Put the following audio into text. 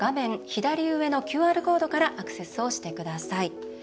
左上のＱＲコードからアクセスをしてください。